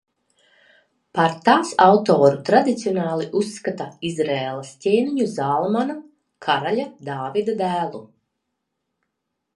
Par tās autoru tradicionāli uzskata Izraēlas ķēniņu Zālamanu, karaļa Dāvida dēlu.